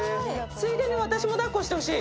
ついでに私も抱っこしてほしい。